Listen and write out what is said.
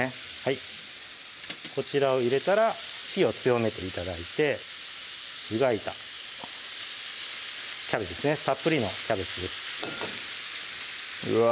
こちらを入れたら火を強めて頂いて湯がいたキャベツですねたっぷりのキャベツですうわ